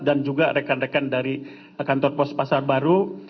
dan juga rekan rekan dari kantor pos pasar baru